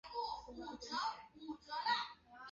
松山天宝圣道宫历史沿革